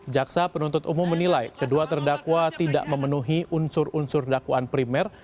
jaksa penuntut umum menilai kedua terdakwa tidak memenuhi unsur unsur dakwaan primer